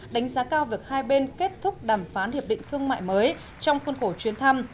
đánh giá cao việc hai bên kết thúc đàm phán hiệp định thương mại mới trong khuôn khổ chuyến thăm